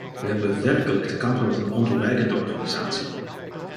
We hebben werkelijk te kampen met een ontoereikende organisatie.